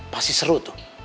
pasti seru tuh